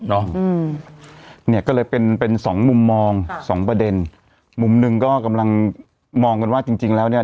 เนี่ยก็เลยเป็น๒มุมมอง๒ประเด็นมุมนึงก็กำลังมองกันว่าจริงแล้วเนี่ย